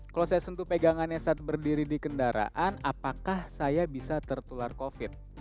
kalau saya sentuh pegangannya saat berdiri di kendaraan apakah saya bisa tertular covid